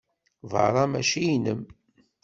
Berra mačči inem.